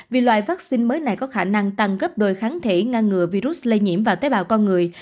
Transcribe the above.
vì loại vaccine mới này có khả năng tăng gấp đôi kháng thể ngăn ngừa virus lây nhiễm và tế bào con người